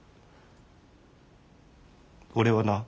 俺はな